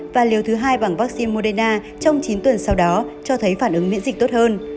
và liều thứ hai bằng vaccine moderna trong chín tuần sau đó cho thấy phản ứng miễn dịch tốt hơn